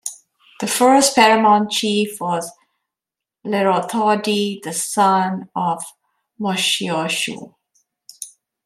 The first paramount chief was Lerothodi, the son of Moshoeshoe.